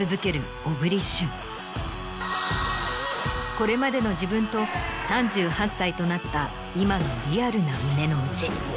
これまでの自分と３８歳となった今のリアルな胸の内。